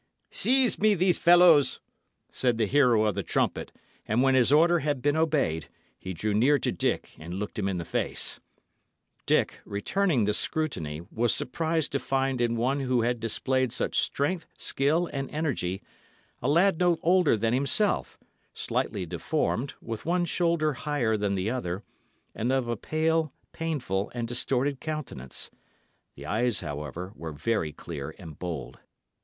"Seize me these fellows!" said the hero of the trumpet; and when his order had been obeyed, he drew near to Dick and looked him in the face. Dick, returning this scrutiny, was surprised to find in one who had displayed such strength, skill and energy, a lad no older than himself slightly deformed, with one shoulder higher than the other, and of a pale, painful, and distorted countenance. The eyes, however, were very clear and bold.